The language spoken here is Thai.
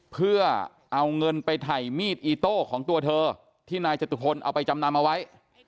เพื่อเอาเงินไปถ่ายมีดอีโต้ของตัวเธอที่นายจตุพลเอาไปจำนำเอาไว้